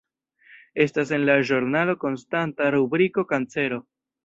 Estas en la ĵurnalo konstanta rubriko Kancero.